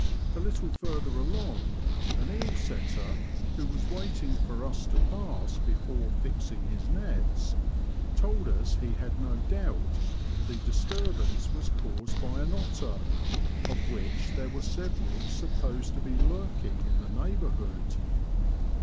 A little further along, an eel setter, who was waiting for us to pass before fixing his nets, told us he had no doubt the disturbance was caused by an otter, of which there were several supposed to be lurking in the neigh bourhood.